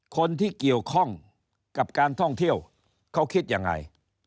คนที่เกี่ยวข้องกับการท่องเที่ยวเขาคิดยังไง